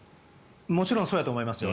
もちろんそうだと思いますよ。